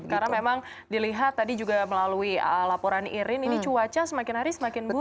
karena memang dilihat tadi juga melalui laporan irin ini cuaca semakin hari semakin buruk ya